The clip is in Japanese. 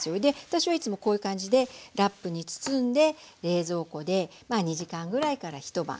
私はいつもこういう感じでラップに包んで冷蔵庫で２時間ぐらいから一晩。